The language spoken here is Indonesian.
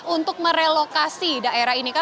untuk merelokasi daerah ini